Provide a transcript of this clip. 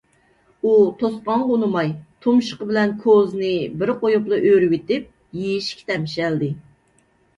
ئۇ توسقانغا ئۇنىماي، تۇمشۇقى بىلەن كوزىنى بىر قويۇپلا ئۆرۈۋېتىپ، يېيىشكە تەمشەلدى.